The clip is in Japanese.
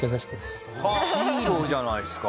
ヒーローじゃないですか。